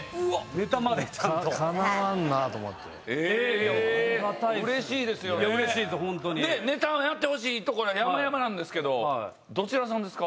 ネタやってほしいところやまやまなんですけどどちらさんですか？